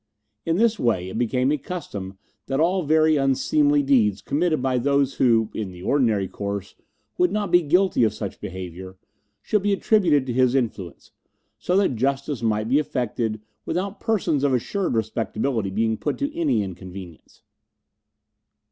In this way it became a custom that all very unseemly deeds committed by those who, in the ordinary course, would not be guilty of such behaviour, should be attributed to his influence, so that justice might be effected without persons of assured respectability being put to any inconvenience.